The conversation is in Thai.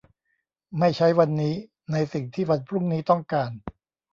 ไม่ใช้วันนี้ในสิ่งที่วันพรุ่งนี้ต้องการ